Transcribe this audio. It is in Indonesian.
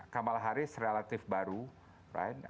kamala harris relatif baru right